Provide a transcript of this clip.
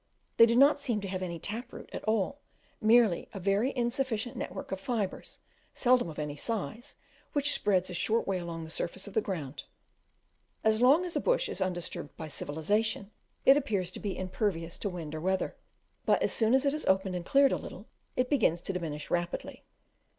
They do not seem to have any tap root at all, merely a very insufficient network of fibres, seldom of any size, which spreads a short way along the surface of the ground As long as a Bush is undisturbed by civilization, it appears to be impervious to wind or weather; but as soon as it is opened and cleared a little, it begins to diminish rapidly.